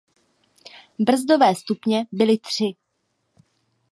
Brzdové stupně byly tři.